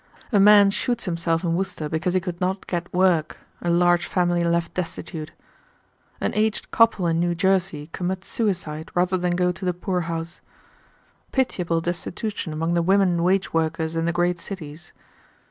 A man shoots himself in Worcester because he could not get work. A large family left destitute. An aged couple in New Jersey commit suicide rather than go to the poor house. Pitiable destitution among the women wage workers in the great cities.